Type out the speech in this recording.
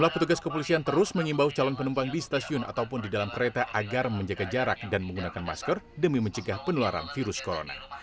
petugas kepolisian terus mengimbau calon penumpang di stasiun ataupun di dalam kereta agar menjaga jarak dan menggunakan masker demi mencegah penularan virus corona